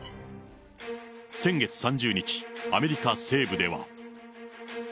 先月３０日、アメリカ西部では。